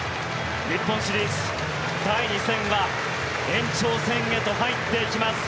日本シリーズ第２戦は延長戦へと入っていきます。